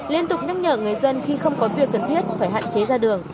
liên tục nhắc nhở người dân khi không có việc cần thiết phải hạn chế ra đường